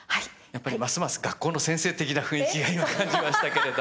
やっぱりますます学校の先生的な雰囲気が今感じましたけれども。